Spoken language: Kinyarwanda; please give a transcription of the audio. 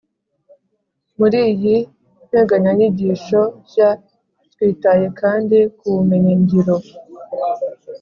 muri iyi nteganyanyigisho nshya twitaye kandi ku bumenyi ngiro